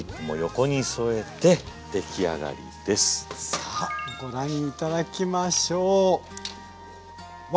さあご覧頂きましょう。